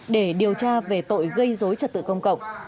để điều tra về tội gây dối trật tự công cộng